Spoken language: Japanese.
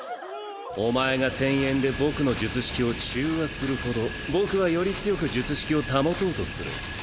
お前が「展延」で僕の術式を中和するほど僕はより強く術式を保とうとする。